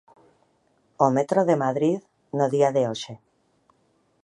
O metro de Madrid no día de hoxe.